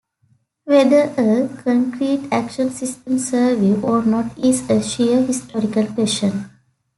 Whether a concrete action system survive or not is a sheer historical question.